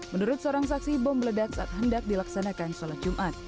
menurut seorang saksi bom meledak saat hendak dilaksanakan sholat jumat